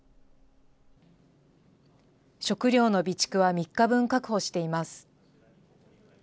食料の備蓄は３日分確保しています。